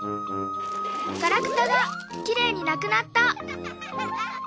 ガラクタがきれいになくなった！